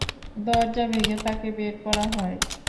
দরজা ভেঙে তাঁকে বের করা হয়।